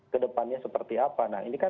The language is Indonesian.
kedepannya seperti apa